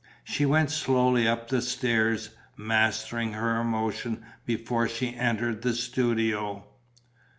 She went slowly up the stairs, mastering her emotion before she entered the studio.